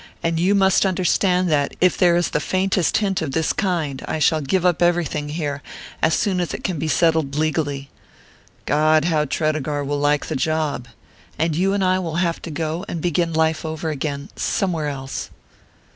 "And you must understand that, if there is the faintest hint of this kind, I shall give up everything here, as soon as it can be settled legally God, how Tredegar will like the job! and you and I will have to go and begin life over again...somewhere else."